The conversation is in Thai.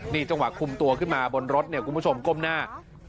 นี่จังหวะคุมตัวขึ้นมาบนรถเนี่ยคุณผู้ชมก้มหน้า